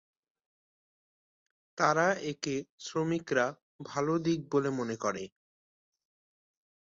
তারা একে শ্রমিকরা ভাল দিক বলে মনে করে।